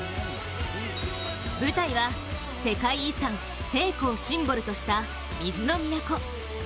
舞台は世界遺産、西湖をシンボルとした水の都。